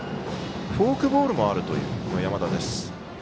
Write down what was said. フォークボールもあるという山田です。